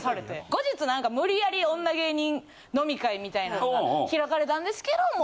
後日無理やり女芸人飲み会みたいなんが開かれたんですけれども。